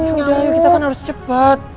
yaudah yuk kita kan harus cepet